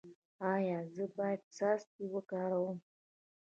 ایا زه باید څاڅکي وکاروم؟